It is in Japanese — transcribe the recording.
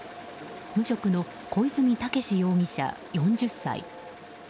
無職の小出水武志容疑者、４０歳。